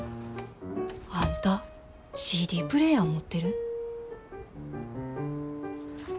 あんたＣＤプレーヤー持ってる？